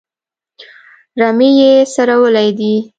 رمې یې څرولې دي.